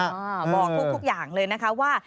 บอกทุกอย่างเลยนะคะว่า